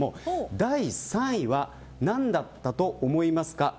第３位は何だったと思いますか。